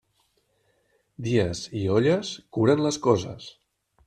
Dies i olles curen les coses.